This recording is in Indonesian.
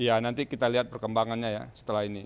iya nanti kita lihat perkembangannya ya setelah ini